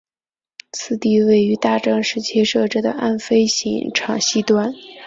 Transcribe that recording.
此地位于大正时期设置的岸飞行场西端。